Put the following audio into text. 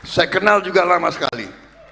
saya kenal juga lama sekali